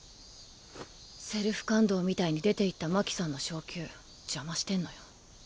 セルフ勘当みたいに出ていった真希さんの昇級邪魔してんのよ